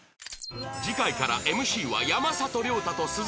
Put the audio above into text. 次回から ＭＣ は山里亮太と鈴木愛理